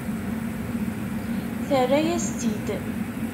Terra-yas-tt-id.